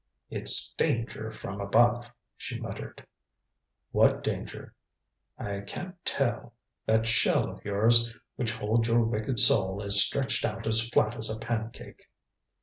"It's danger from above," she muttered. "What danger?" "I can't tell. That shell of yours which holds your wicked soul is stretched out as flat as a pancake."